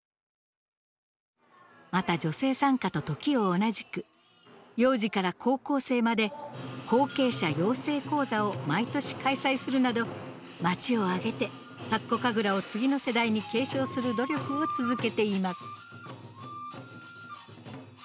また女性参加と時を同じく幼児から高校生まで「後継者養成講座」を毎年開催するなど町を挙げて田子神楽を次の世代に継承する努力を続けています。